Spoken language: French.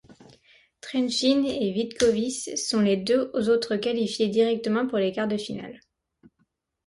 Trenčín et Vítkovice sont les deux autres qualifiées directement pour les quarts-de-finale.